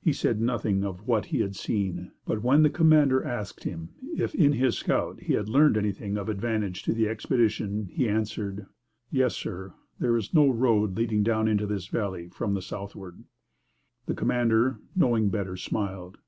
He said nothing of what he had seen. But when the commander asked him if in his scout he had learned anything of advantage to the expedition, he answered: "Yes, sir; there is no road leading down into this valley from the southward." The commander, knowing better, smiled.